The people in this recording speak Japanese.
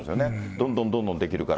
どんどんどんどん出来るから。